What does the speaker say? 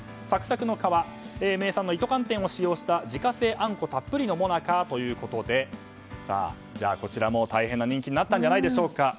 サクサクの皮名産の糸寒天を使用した自家製あんこたっぷりの最中ということでこちらも大変な人気になったんじゃないでしょうか。